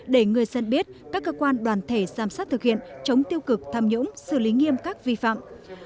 để người dân biết các cơ quan đoàn thể giám sát thực hiện chống tiêu cực tham nhũng xử lý nghiêm các vi phạm